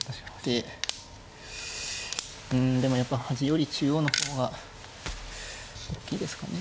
うんでもやっぱ端より中央の方がおっきいですかね。